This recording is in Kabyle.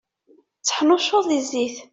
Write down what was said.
Tteḥnuccuḍ di zzit.